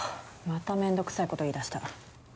また面倒くさい事言いだした。